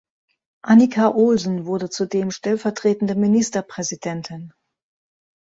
Annika Olsen wurde zudem stellvertretende Ministerpräsidentin.